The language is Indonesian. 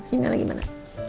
senyumnya lagi mana